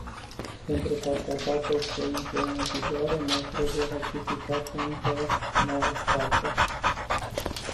Pentru ca tratatul să intre în vigoare mai trebuie ratificat în încă nouă state.